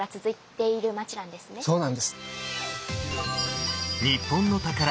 そうなんです。